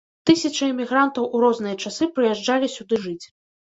Тысячы эмігрантаў у розныя часы прыязджалі сюды жыць.